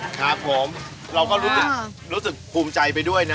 เราก็รู้สึกภูมิใจไปด้วยนะ